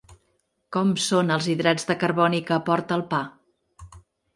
Com són els hidrats de carboni que aporta el pa?